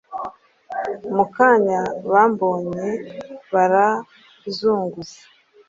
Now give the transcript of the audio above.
mu kanya bambonye, barazunguza